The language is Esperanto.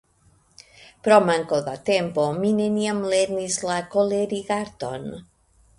Pro manko da tempo mi neniam lernis la kolerigarton.